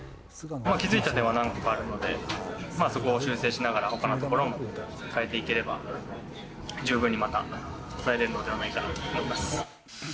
気付いた点は何個かあるので、そこを修正しながら、ほかのところも変えていければ、十分にまた抑えられるのではないかなと思います。